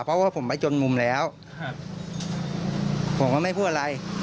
เพราะว่าผมไปจนมุมแล้วครับผมก็ไม่พูดอะไร